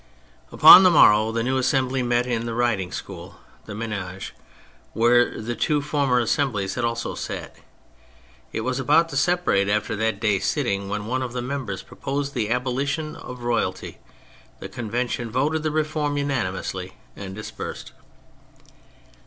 Upon the morrow the new Assembly met in the riding school (the Manege), where the two former Assemblies had also sat. It was about to separate after that day's sitting when one of the members proposed the abolition of Royalty; the Convention voted the reform unanimously and dispersed.